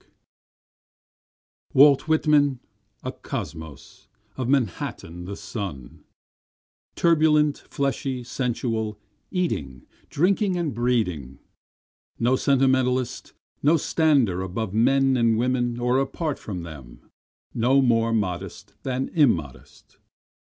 24 Walt Whitman, a kosmos, of Manhattan the son, Turbulent, fleshy, sensual, eating, drinking and breeding, No sentimentalist, no stander above men and women or apart from them, No more modest than immodest.